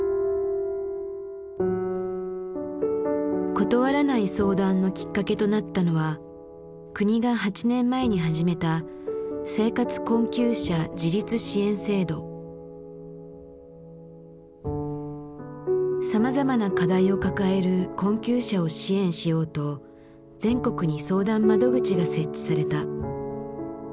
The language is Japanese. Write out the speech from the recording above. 「断らない相談」のきっかけとなったのは国が８年前に始めたさまざまな課題を抱える困窮者を支援しようと全国に相談窓口が設置された。